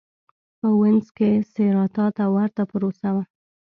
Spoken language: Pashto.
په وینز کې سېراتا ته ورته پروسه وه.